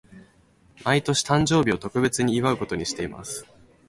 毎年、誕生日を特別に祝うことにしています。